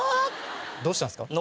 どうしたんすか？